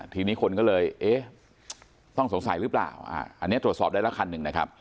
ทีนี้คนก็เลยเอ๊ะต้องสงสัยหรือเปล่าอันนี้ตรวจสอบได้ละคันหนึ่งนะครับ